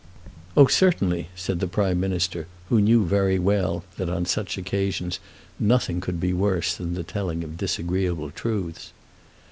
"Oh, certainly," said the Prime Minister, who knew very well that on such occasions nothing could be worse than the telling of disagreeable truths.